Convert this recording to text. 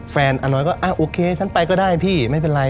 อาน้อยก็โอเคฉันไปก็ได้พี่ไม่เป็นไร